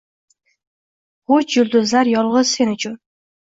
Gʼuj yulduzlar yolgʼiz sen uchun